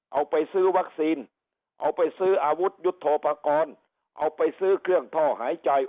เอาไปซื้อวัคซีนเอาไปซื้ออาวุธยุทธโปรกรณ์เอาไปซื้อเครื่องท่อหายใจ